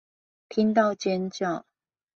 聽到尖叫